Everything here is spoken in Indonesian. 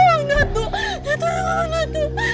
daraja minta tenimu datuk